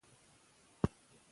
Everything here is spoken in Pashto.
ټولنه اوس له علمه ګټه اخلي.